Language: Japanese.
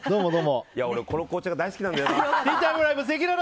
俺、この紅茶が大好きなんだよな。